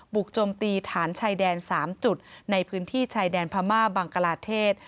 กจมตีฐานชายแดน๓จุดในพื้นที่ชายแดนพม่าบังกลาเทศ